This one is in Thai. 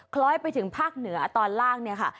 คล้อยไปถึงภาคเหนือตอนล่างเนี่ยค่ะ